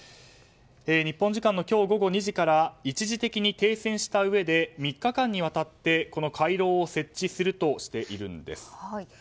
日本時間の今日午後２時から一時的に停戦したうえで３日間にわたって回廊を設置するとしているんです。